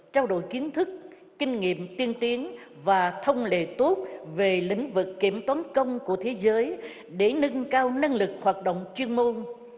trao đổi kiến thức kinh nghiệm tiên tiến và thông lệ tốt về lĩnh vực kiểm toán công của thế giới để nâng cao năng lực hoạt động chuyên môn